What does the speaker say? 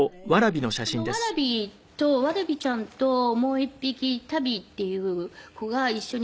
このわらびちゃんともう１匹タビーっていう子が一緒に。